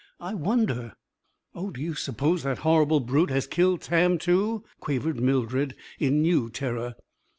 I wonder " "Oh, do you suppose that horrible brute has killed Tam, too?" quavered Mildred, in new terror.